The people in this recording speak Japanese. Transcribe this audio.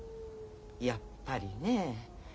やっぱりねえ。